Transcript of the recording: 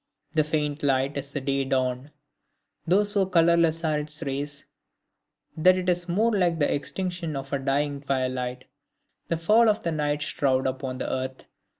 This faint light is the day dawn, though so colorless are its rays, that it is more like the extinction of the dying twilight, the fall of the night shroud upon the earth.